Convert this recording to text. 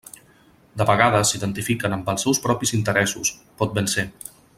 De vegades s'identifiquen amb els seus propis interessos, pot ben ser.